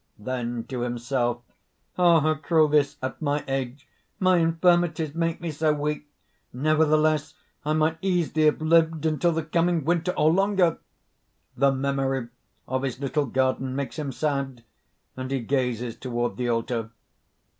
(Then, to himself: ) "Ah! how cruel this at my age! My infirmities make me so weak! Nevertheless, I might easily have lived until the coming winter, or longer!" (_The memory of his little garden makes him sad, and he gazes toward the altar.